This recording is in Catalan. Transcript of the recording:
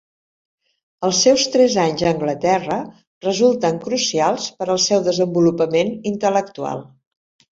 Els seus tres anys a Anglaterra resulten crucials per al seu desenvolupament intel·lectual.